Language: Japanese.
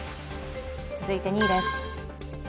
続いて２位です。